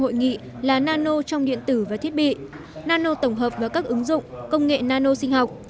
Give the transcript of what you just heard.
hội nghị là nano trong điện tử và thiết bị nano tổng hợp và các ứng dụng công nghệ nano sinh học